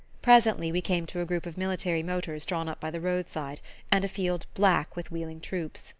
Presently we came to a group of military motors drawn up by the roadside, and a field black with wheeling troops.